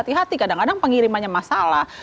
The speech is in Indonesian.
hati hati kadang kadang pengirimannya masalah